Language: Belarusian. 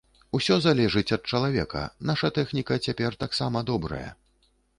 Усё залежыць ад чалавека, наша тэхніка цяпер таксама добрая.